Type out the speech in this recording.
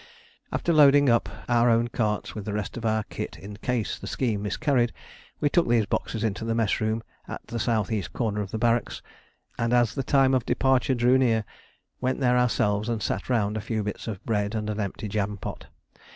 After loading up our own carts with the rest of our kit in case the scheme miscarried, we took these boxes into the mess room at the S.E. corner of the barracks; and as the time of departure drew near, went there ourselves and sat round a few bits of bread and an empty jam pot.